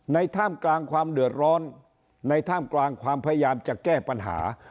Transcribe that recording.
ท่ามกลางความเดือดร้อนในท่ามกลางความพยายามจะแก้ปัญหา